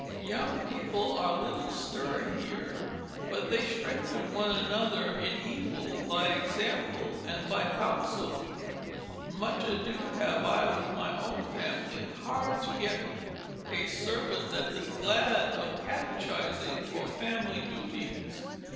Young people are little stirred here; but they strengthen one another in evil by example and by counsel. Much ado have I with my own family; hard to get a servant that is glad of catechizing or family duties.